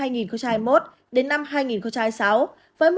giữ chức chủ tịch quốc hội